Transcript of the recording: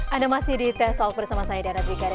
anda masih di teh talk bersama saya dara dwi gara